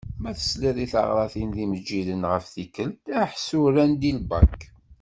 Ma tesliḍ i taɣratin d yimeǧǧiden ɣef tikelt ḥṣu rran-d i lbak.